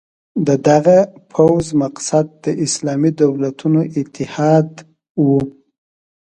د دغه پوځ مقصد د اسلامي دولتونو اتحاد وو.